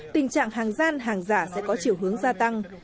tình trạng hàng gian hàng giả sẽ có chiều hướng gia tăng